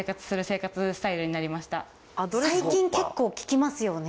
最近結構聞きますよね？